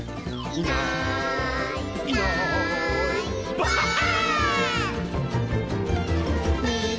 「いないいないばあっ！」